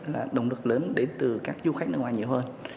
là động lực lớn đến từ các du khách nước ngoài nhiều hơn